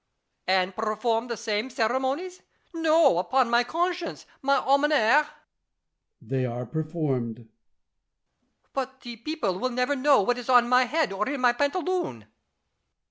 And perform the same ceremonies ? no, upon my conscience ! My almoner La Chaise. They are performed. Louis. But the people will never know what is on my head or in my pantaloon.